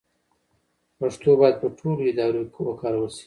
پښتو باید په ټولو ادارو کې وکارول شي.